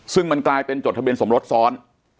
ซึ่งมันกลายเป็นจดทะเบียนสมรสซ้อน